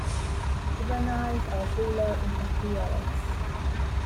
Juveniles are duller in appearance.